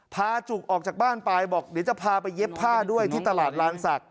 จุกออกจากบ้านไปบอกเดี๋ยวจะพาไปเย็บผ้าด้วยที่ตลาดลานศักดิ